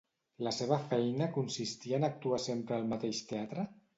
La seva feina consistia en actuar sempre al mateix teatre?